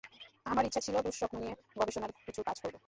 আমার ইচ্ছা ছিল দুঃস্বপ্ন নিয়ে গবেষণার কিছু কাজ করব।